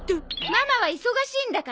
ママは忙しいんだからね。